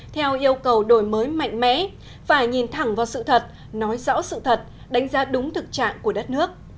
theo yêu cầu đổi mới mạnh mẽ phải nhìn thẳng vào sự thật nói rõ sự thật đánh giá đúng thực trạng của đất nước